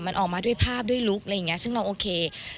มันออกมาด้วยภาพด้วยลุคอะไรอย่างนี้ซึ่งเราโอเค